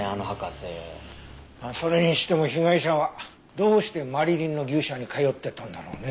まあそれにしても被害者はどうしてマリリンの牛舎に通ってたんだろうね？